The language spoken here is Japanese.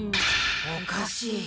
おかしい！